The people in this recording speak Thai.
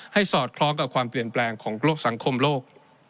สอดคล้องกับความเปลี่ยนแปลงของโลกสังคมโลก